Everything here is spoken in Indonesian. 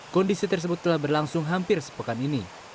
kondisi tersebut telah berlangsung hampir sepekan ini